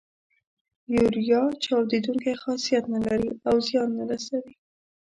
یوریا چاودیدونکی خاصیت نه لري او زیان نه رسوي.